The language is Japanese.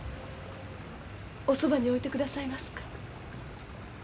おそばに置いてくださいますか？